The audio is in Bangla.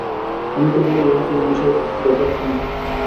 আমি তো বলি ইহাতেই মানুষের যথার্থ মহত্ত্ব।